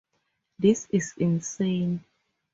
This is insane.